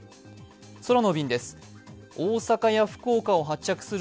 空の便です。